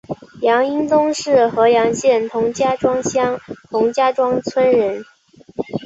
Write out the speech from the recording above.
杨荫东是合阳县同家庄乡同家庄村人。